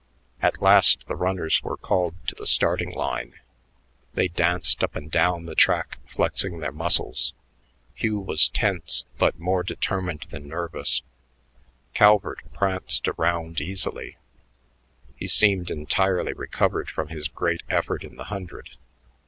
At last the runners were called to the starting line. They danced up and down the track flexing their muscles. Hugh was tense but more determined than nervous. Calvert pranced around easily; he seemed entirely recovered from his great effort in the hundred.